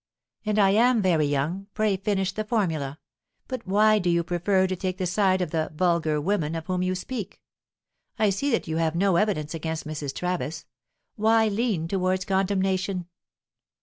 "And I am very young; pray finish the formula. But why do you prefer to take the side of 'the vulgar woman' of whom you speak? I see that you have no evidence against Mrs. Travis; why lean towards condemnation?"